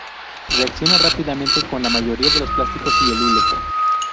Reacciona rápidamente con la mayoría de los plásticos y el hule.